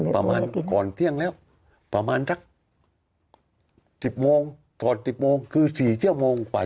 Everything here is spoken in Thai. ประมาณก่อนเที่ยงแล้ว